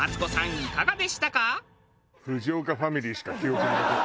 いかがでしたか？